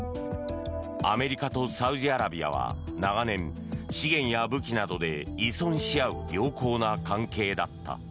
アメリカとサウジアラビアは長年、資源や武器などで依存し合う良好な関係だった。